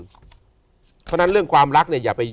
เพราะฉะนั้นเรื่องความรัก